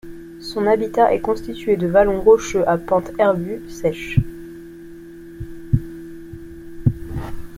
Son habitat est constitué de vallons rocheux à pentes herbues sèches.